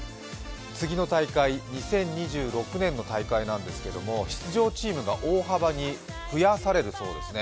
次の大会、２０２６年の大会なんですけれども、出場チームが大幅に増やされるそうですね。